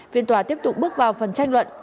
phiên tòa tiếp tục bước vào phần tranh luận